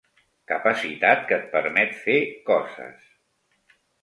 Capacitat que et permet fer coses.